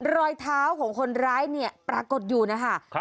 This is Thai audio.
รอยเท้าของคนร้ายเนี่ยปรากฏอยู่นะคะ